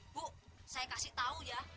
bu saya kasih tahu ya